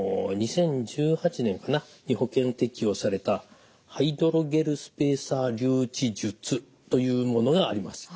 ２０１８年に保険適用されたハイドロゲルスペーサー留置術というものがあります。